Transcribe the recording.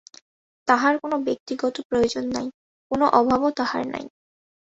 তাঁহার কোন ব্যক্তিগত প্রয়োজন নাই, কোন অভাবও তাঁহার নাই।